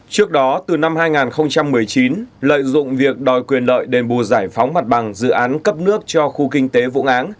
trước đó từ năm hai nghìn một mươi chín lợi dụng việc đòi quyền lợi đền bù giải phóng mặt bằng dự án cấp nước cho khu kinh tế vũng áng